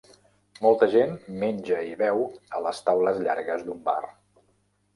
Molta gent menja i beu a les taules llargues d'un bar.